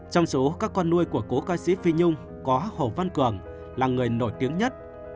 trong số các con nuôi của cố ca sĩ phi nhung có hồ văn cường là người nổi tiếng nhất